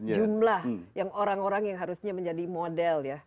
jumlah yang orang orang yang harusnya menjadi model ya